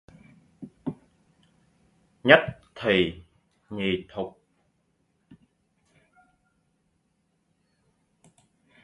Nhất thì, nhì thục